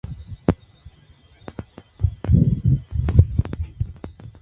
No pueden enfrentarse equipos del mismo país en este ronda.